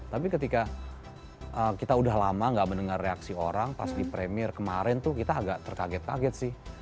tapi ketika kita udah lama gak mendengar reaksi orang pas di premier kemarin tuh kita agak terkaget kaget sih